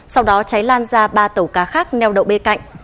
sau đó cháy lan ra ba tàu cá khác neo đậu bên cạnh